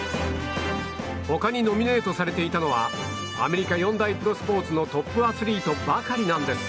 他にノミネートされていたのはアメリカ四大プロスポーツのトップアスリートばかりなんです。